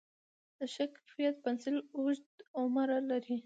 د ښه کیفیت پنسل اوږد عمر لري.